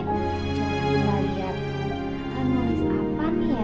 kakak nulis apa nih ya